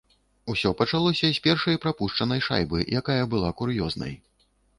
Усё пачалося з першай прапушчанай шайбы, якая была кур'ёзнай.